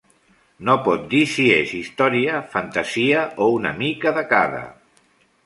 No pot dir si és història, fantasia o una mica de cada.